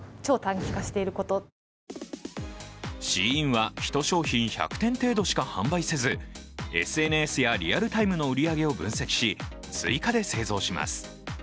ＳＨＥＩＮは、１商品１００点程度しか販売せず、ＳＮＳやリアルタイムの売り上げを分析し、追加で製造します。